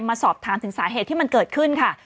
มาสอบถามถึงสาเหตุที่มันเกิดขึ้นค่ะ